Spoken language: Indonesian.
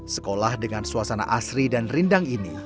sekolah dengan suasana asri dan rindang ini